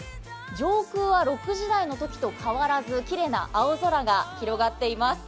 上空は６時台のときと変わらずきれいな青空が広がっています。